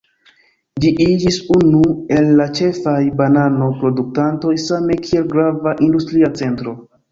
Ĝi iĝis unu el la ĉefaj banano-produktantoj same kiel grava industria centro.